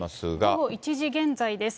午後１時現在です。